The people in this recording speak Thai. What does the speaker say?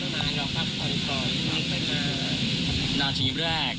ตามที่แบบเจ้านาทีบอก